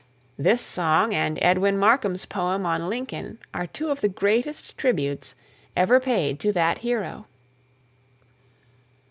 This song and Edwin Markham's poem on Lincoln are two of the greatest tributes ever paid to that hero.